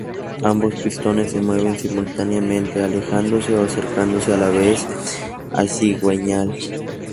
Ambos pistones se mueven simultáneamente, alejándose o acercándose a la vez al cigüeñal.